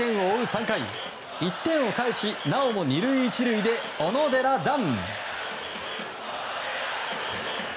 ３回１点を返しなおも２塁１塁で小野寺暖。